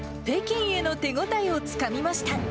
北京への手応えをつかみました。